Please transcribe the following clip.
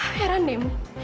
heran deh mi